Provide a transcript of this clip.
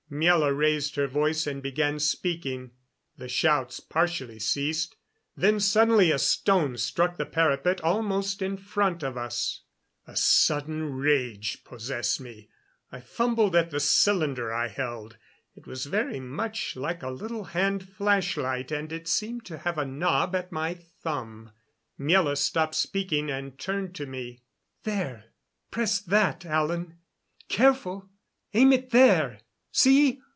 Miela raised her voice and began speaking. The shouts partially ceased, then suddenly a stone struck the parapet almost in front of us. A sudden rage possessed me. I fumbled at the cylinder I held. It was very much like a little hand flashlight, and seemed to have a knob at my thumb. Miela stopped speaking and turned to me. "There press that, Alan. Careful! Aim it there! See!